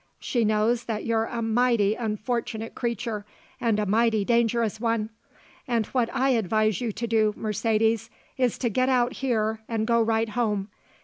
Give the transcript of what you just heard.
She knows that you're a mighty unfortunate creature and a mighty dangerous one; and what I advise you to do, Mercedes, is to get out here and go right home.